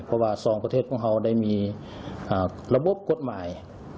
เพราะว่าสองประเทศของเขาได้มีระบบกฎหมาย